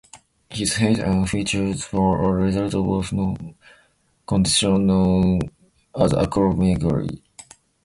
His height and features were a result of a hormonal condition known as acromegaly.